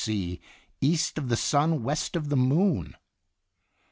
sea, "east of the sun, west of the moon."